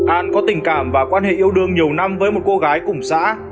an có tình cảm và quan hệ yêu đương nhiều năm với một cô gái cùng xã